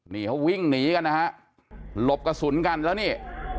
นี่เขาวิ่งหนีกันนะฮะหลบกระสุนกันแล้วนี่